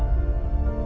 saya tidak tahu